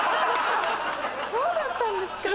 そうだったんですか！